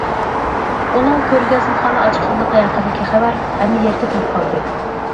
ئۇنىڭ كۆرگەزمىخانا ئاچقانلىقى ھەققىدىكى خەۋەر ھەممە يەرگە تارقالدى.